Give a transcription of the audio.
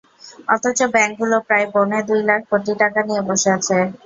অথচ ব্যাংকগুলো প্রায় পৌনে দুই লাখ কোটি টাকা নিয়ে বসে আছে।